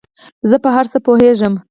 زۀ په هر څه پوهېږم